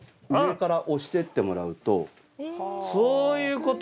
そういうこと？